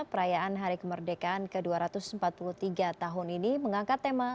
perayaan hari kemerdekaan ke dua ratus empat puluh tiga tahun ini mengangkat tema